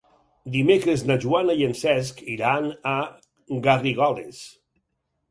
Dimecres na Joana i en Cesc iran a Garrigoles.